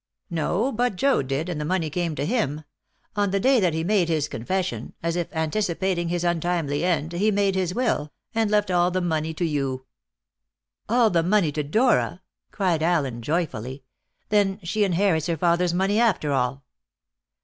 "No; but Joad did, and the money came to him. On the day that he made his confession as if anticipating his untimely end he made his will, and left all the money to you." "All the money to Dora?" cried Allen joyfully. "Then she inherits her father's money, after all!"